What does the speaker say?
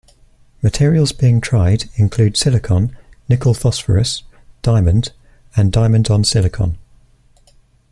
Materials being tried include silicon, nickel phosphorus, diamond, and diamond-on-silicon.